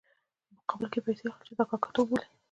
په مقابل کې یې پیسې اخلي چې دا کاکه توب بولي.